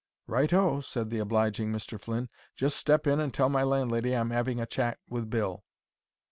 "Right o," said the obliging Mr. Flynn. "Just step in and tell my landlady I'm 'aving a chat with Bill."